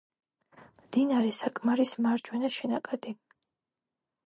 მდინარე საკმარის მარჯვენა შენაკადი.